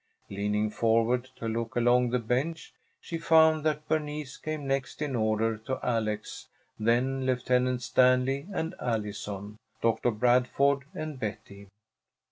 Leaning forward to look along the bench, she found that Bernice came next in order to Alex, then Lieutenant Stanley and Allison, Doctor Bradford and Betty.